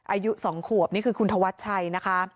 อายุ๒ขวบนี่คือคุณธวัชชัยนะคะ